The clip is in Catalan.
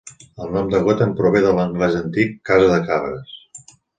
El nom de Gotham prové de l'anglès antic "casa de cabres".